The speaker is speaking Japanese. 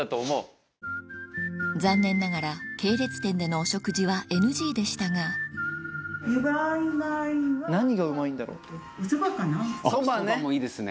残念ながら系列店でのお食事はＮＧでしたがあっ蕎麦もいいですね。